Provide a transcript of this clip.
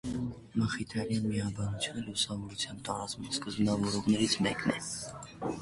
Մխիթարյան միաբանությունը լուսավորության տարածման սկզբնավորողներից մեկն է։